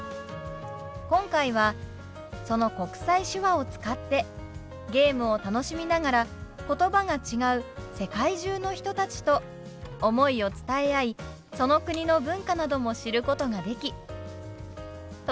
今回はその国際手話を使ってゲームを楽しみながら言葉が違う世界中の人たちと思いを伝え合いその国の文化なども知ることができとても貴重な経験ができました！